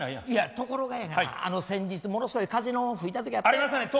いやところがやな先日ものすごい風の吹いた時あったやん。